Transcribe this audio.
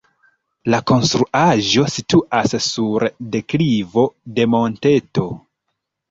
La konstruaĵo situas sur deklivo de monteto.